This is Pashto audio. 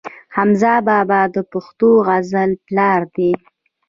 حمزه بابا د پښتو غزل پلار دی.